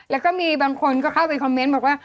แล้วก็มีบางคนก็เข้าไปคอมเมนต์บอกว่า